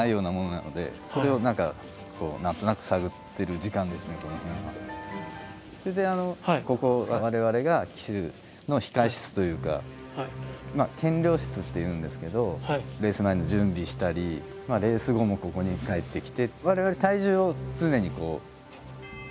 そうですね一応それでここは我々が騎手の控え室というか「検量室」っていうんですけどレース前の準備したりレース後もここに帰ってきて。